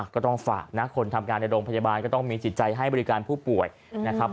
ก็ต้องฝากนะคนทำงานในโรงพยาบาลก็ต้องมีจิตใจให้บริการผู้ป่วยนะครับ